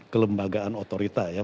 kelembagaan otorita ya